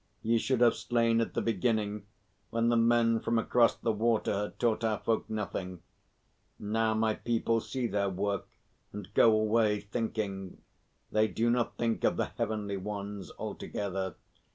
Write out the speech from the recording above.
Ye should have slain at the beginning when the men from across the water had taught our folk nothing. Now my people see their work, and go away thinking. They do not think of the Heavenly Ones altogether.